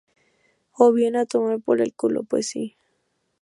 O bien: a tomar por el culo... ¡pues sí!